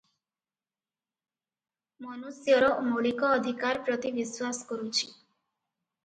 ମନୁଷ୍ୟର ମୌଳିକ ଅଧିକାର ପ୍ରତି ବିଶ୍ୱାସ କରୁଛି ।